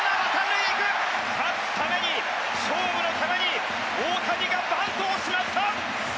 勝つために勝負のために大谷がバントをしました！